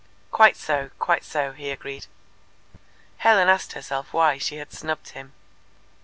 "Quite so, quite so," he agreed. Helen asked herself why she had snubbed him.